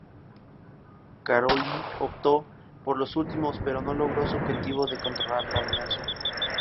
Károlyi optó por los últimos, pero no logró su objetivo de controlar la alianza.